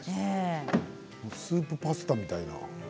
スープパスタみたいな。